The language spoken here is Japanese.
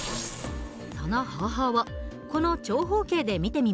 その方法をこの長方形で見てみましょう。